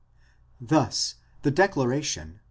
Thus the declaration v.